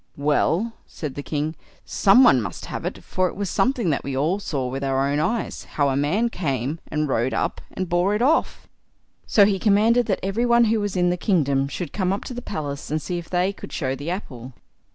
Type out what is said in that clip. "Well", said the king, "some one must have it, for it was something that we all saw with our own eyes, how a man came and rode up and bore it off." So he commanded that every one who was in the kingdom should come up to the palace and see if they could show the apple.